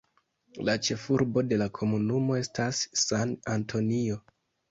La ĉefurbo de la komunumo estas San Antonio.